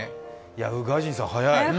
宇賀神さん、早い。